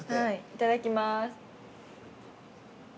いただきます。